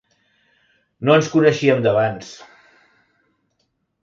No ens coneixíem d’abans.